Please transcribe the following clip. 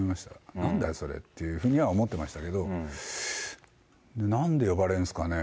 なんだよ、それっていうふうには思ってましたけど、なんで呼ばれるんすかねぇ？